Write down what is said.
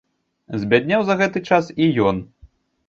Збяднеў за гэты час і ён.